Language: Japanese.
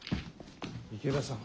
池田さん。